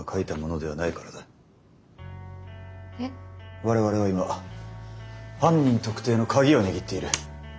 我々は今犯人特定のカギを握っている。